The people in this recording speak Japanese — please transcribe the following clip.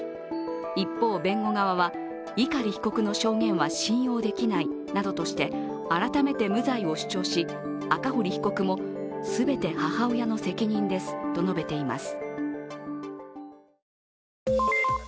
一方、弁護側は、碇被告の証言は信用できないなどとして改めて無罪を主張し赤堀被告も、全て母親の責任ですと述べています。